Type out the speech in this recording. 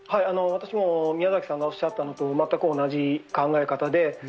宮崎さんがおっしゃったのと全く同じ考えです。